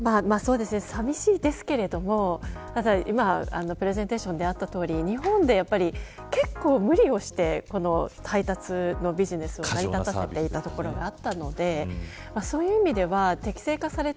寂しいですけれども今、プレゼンテーションであったとおり日本って結構無理をして配達のビジネスを成り立たせていたところがあったのでそういう意味では適正化されて